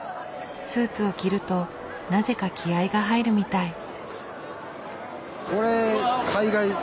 スーツを着るとなぜか気合いが入るみたい。